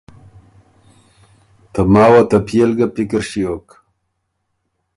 ته ماوه ته پيې ل ګه پِکر ݭیوک۔